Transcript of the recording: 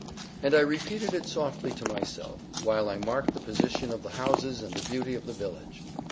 And I repeated it softly to myself, while I marked the position of the houses and the beauty of the village.